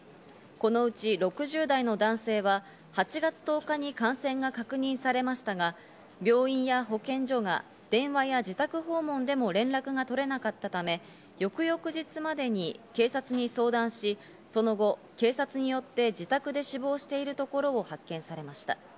このうち６０代の男性は８月１０日に感染が確認されましたが病院や保健所が電話や自宅訪問でも連絡が取れなかったため、翌々日までに警察に相談し、その後、警察によって自宅で死亡しているところを発見されました。